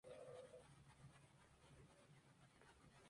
Las voces y otros sonidos fueron realizados por el actor Pepe Iglesias.